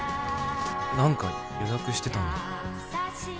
何か予約してたんだ。